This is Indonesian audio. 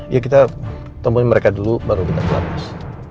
iya kita ketemuin mereka dulu baru kita kelapas